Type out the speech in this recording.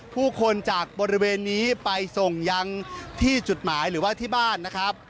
ผู้คนจากบริเวณนี้ไปส่งยังที่จุดหมายหรือว่าที่บ้านนะครับ